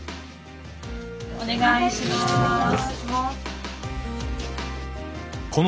お願いします。